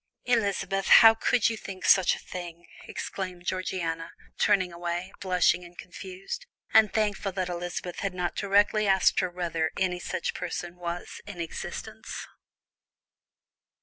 "Elizabeth! how could you think such a thing?" exclaimed Georgiana, turning away, blushing and confused, and thankful that Elizabeth had not directly asked her whether any such person was in existence.